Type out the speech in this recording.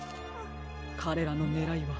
かれらのねらいは。